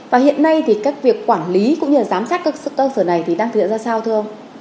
và hiện nay thì các việc quản lý cũng như giám sát các cơ sở này thì đang thực hiện ra sao thưa ông